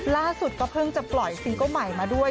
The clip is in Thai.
ล่าสุดก็เพิ่งจะปล่อยซิงเกิ้ลใหม่มาด้วย